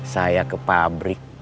saya ke pabrik